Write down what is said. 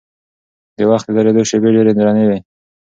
د وخت د درېدو شېبې ډېرې درنې وي.